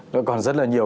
nó còn rất là nhiều